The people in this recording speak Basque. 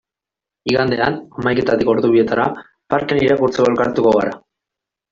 Igandean, hamaiketatik ordu bietara, parkean irakurtzeko elkartuko gara.